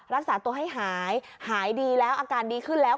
รักษาตัวให้หายหายดีแล้วอาการดีขึ้นแล้ว